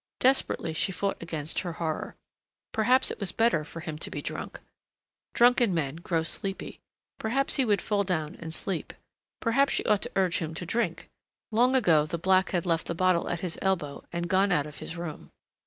Desperately she fought against her horror. Perhaps it was better for him to be drunk. Drunken men grow sleepy. Perhaps he would fall down and sleep. Perhaps she ought to urge him to drink. Long ago the black had left the bottle at his elbow and gone out of his room.